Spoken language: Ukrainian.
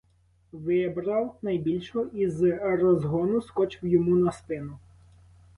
Вибрав найбільшого і з розгону скочив йому на спину.